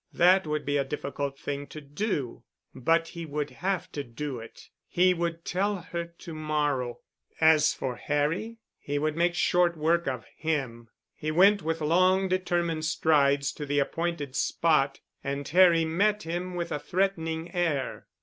That would be a difficult thing to do, but he would have to do it. He would tell her to morrow. As for Harry—he would make short work of him. He went with long determined strides to the appointed spot and Harry met him with a threatening air.